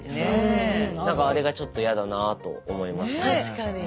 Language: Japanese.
何かあれがちょっと嫌だなあと思いました。